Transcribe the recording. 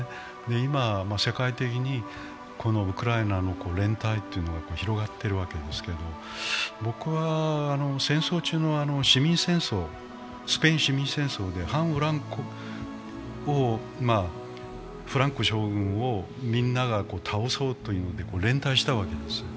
今世界的にウクライナの連帯が広がっているわけですけれども、僕は戦争中のスペイン市民戦争で反フランコ、フランコ将軍をみんなが倒そうということで連帯したわけです。